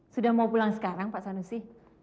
sudah mau pulang sekarang pak sanusi